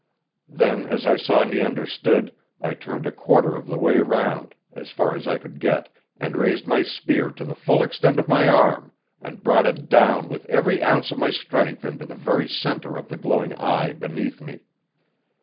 Then as I saw he understood, I turned a quarter of the way round as far as I could get and raised my spear the full extent of my arm, and brought it down with every ounce of my strength into the very center of the glowing eye beneath me.